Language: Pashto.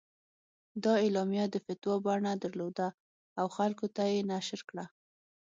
دا اعلامیه د فتوا بڼه درلوده او خلکو ته یې نشر کړه.